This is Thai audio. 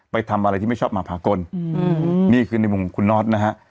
ไปทำอะไรที่ไม่ชอบมาภากลนี่คือในมุมของคุณน็อตนะฮะ